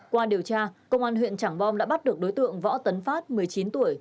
qua điều tra công an huyện trảng bom đã bắt được đối tượng võ tấn phát một mươi chín tuổi